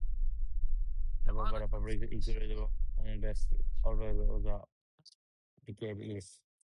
Several publications included "Rounds" on "best albums of the decade" lists.